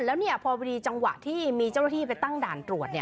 แล้วเนี่ยพอพยุดนี้จังหวะที่มีเจ้าหน้าที่ไปตั้งด่านตรวจเนี่ย